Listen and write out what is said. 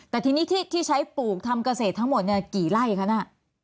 แต่ทีนี้ที่ใช้ปลูกทำเกษตรทั้งหมดเนี่ยกี่ไร่คะน่ะ